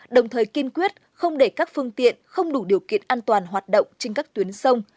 đồng thời kiên quyết không để các phương tiện không đủ điều kiện an toàn hoạt động trên các tuyến sông